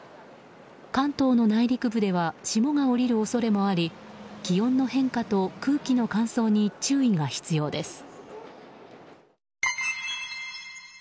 関東の内陸部では霜が降りる恐れもあり気温の変化と空気の乾燥に注意が必要です。